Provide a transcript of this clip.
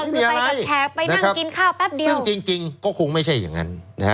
คือไปกับแขกไปนั่งกินข้าวแป๊บเดียวซึ่งจริงก็คงไม่ใช่อย่างนั้นนะฮะ